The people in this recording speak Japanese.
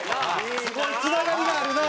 すごいつながりがあるな。